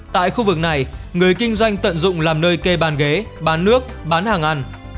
tại khu vực này người kinh doanh tận dụng làm nơi cây bàn ghế bán nước bán hàng ăn